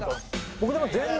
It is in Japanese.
僕でも全然。